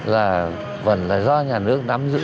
là vẫn là do nhà nước nắm giữ